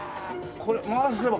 これ回せば。